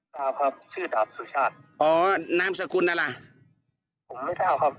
ครับครับชื่อดาบสุชาติอ๋อน้ำสกุลนั่นล่ะผมไม่ชอบครับ